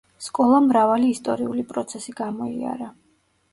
სკოლამ მრავალი ისტორიული პროცესი გამოიარა.